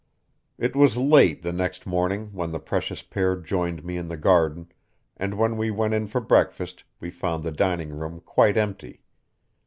It was late the next morning when the precious pair joined me in the garden, and when we went in for breakfast we found the dining room quite empty.